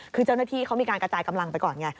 คือเจ้าหน้าที่เขามีการกระจายกำลังไปก่อนไง